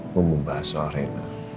mau membahas soal rena